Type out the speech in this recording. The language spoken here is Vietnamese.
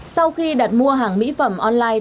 sau khi đặt mua hàng mỹ phẩm online